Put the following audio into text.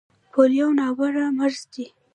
پولیو ناوړه مرض دی.